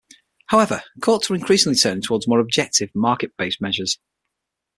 However, courts are increasingly turning toward more objective, market-based measures.